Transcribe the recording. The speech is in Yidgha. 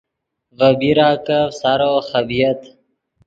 ڤے بیراکف سارو خبۡیت